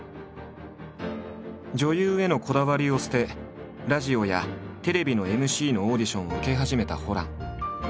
女優へのこだわりを捨てラジオやテレビのＭＣのオーディションを受け始めたホラン。